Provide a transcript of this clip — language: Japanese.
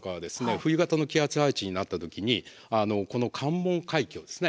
冬型の気圧配置になった時にこの関門海峡ですね。